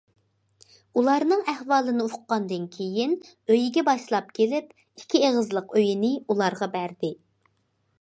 ئۇلارنىڭ ئەھۋالىنى ئۇققاندىن كېيىن ئۆيىگە باشلاپ كېلىپ، ئىككى ئېغىزلىق ئۆيىنى ئۇلارغا بەردى.